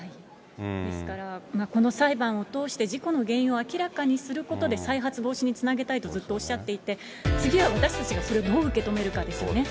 ですから、この裁判を通して事故の原因を明らかにすることで、再発防止につなげたいとずっとおっしゃっていて、次は私たちがそれをどう受け止めるかですよね。